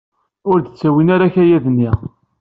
Ur d-ttawin ara akayad-nni.